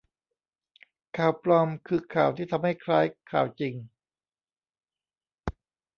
ข่าวปลอมคือข่าวที่ทำให้คล้ายข่าวจริง